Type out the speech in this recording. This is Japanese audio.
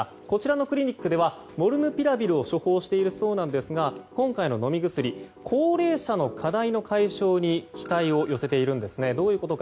こちらのクリニックではモルヌピラビルを処方しているそうなんですが今回の飲み薬高齢者の課題の解消に期待を寄せているんですね。